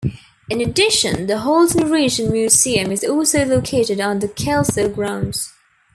In addition, the Halton Region Museum is also located on the Kelso grounds.